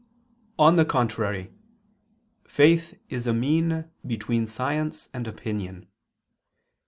On the contrary, Faith is a mean between science and opinion.